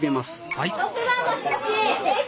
はい。